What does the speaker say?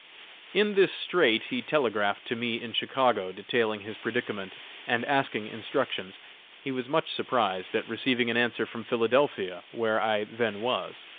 In this strait he telegraphed to me, in Chicago, detailing his predicament, and asking instructions. He was much surprised at receiving an answer from Philadelphia, where I then was.